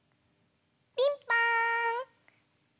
ピンポーン！